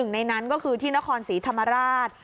ในนั้นก็คือที่นครศรีธรรมราช